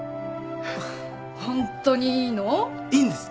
ホントにいいの？いいんです。